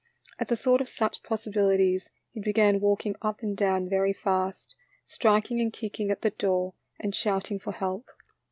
At the thought of such possibilities he began walking up and down very fast, strik ing and kicking at the door and shouting for help.